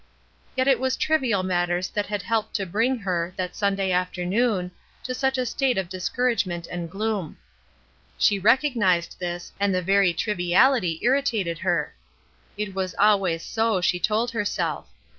Yet it was trivial matters that had helped to bring her, that Sunday afternoon, to such a state of discouragement and gloom. She recog nized this, and the very triviahty irritated her. It was always so, she told herself.